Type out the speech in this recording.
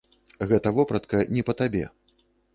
Гэта вопратка не па табе.